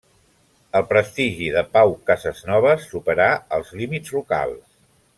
El prestigi de Pau Casesnoves superà els límits locals.